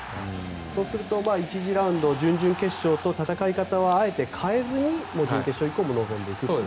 そうすると１次ラウンド、準々決勝と戦い方はあえて変えずに準決勝以降も臨んでいくという。